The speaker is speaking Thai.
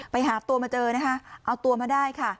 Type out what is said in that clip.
ไปหาตัวมาเจอนะคะเอาตัวมาได้ค่ะ